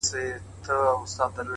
وخت د ټولو لپاره برابر شتمن دی’